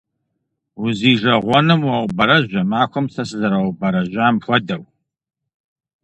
Узижэгъуэным уаубэрэжь а махуэм сэ сызэраубэрэжьам хуэдэу!